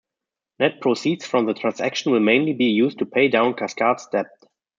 Net proceeds from the transaction will mainly be used to pay down Cascades' debt.